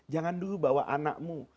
jangan dulu bawa anakmu